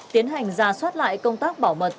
tiến hành ra soát lại công tác bảo mật